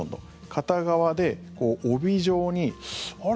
片側で帯状に、あれ？